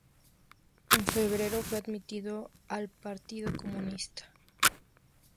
En febrero fue admitido al Partido Comunista.